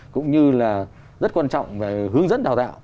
cũng như là rất quan trọng về hướng dẫn đào tạo